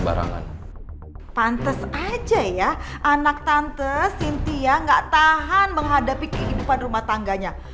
barangan pantes aja ya anak tante sintia nggak tahan menghadapi ke ibu pada rumah tangganya